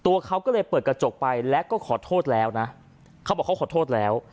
ตัวเขาก็เลยเปิดกระจกไปแล้วก็ขอโทษแล้วนะเขาบอกเขาขอโทษแล้ว